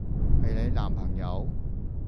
係你男朋友？